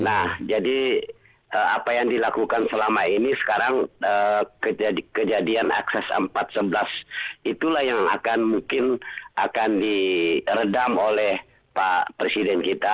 nah jadi apa yang dilakukan selama ini sekarang kejadian akses empat ratus sebelas itulah yang akan mungkin akan diredam oleh pak presiden kita